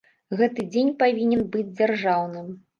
Гэты дзень павінен быць дзяржаўным.